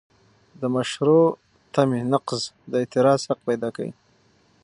د مشروع تمې نقض د اعتراض حق پیدا کوي.